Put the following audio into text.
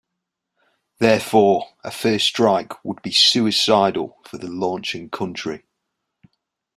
Therefore, a first strike would be suicidal for the launching country.